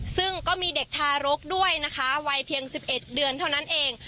ซึ่งก็มีเด็กทารกด้วยนะคะวัยเพียง๑๑เดือนเท่านั้นเอง